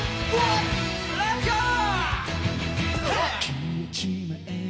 レッツゴー！